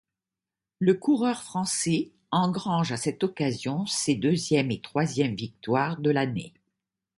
Le coureur français engrange à cette occasion ses deuxième et troisième victoires de l'année.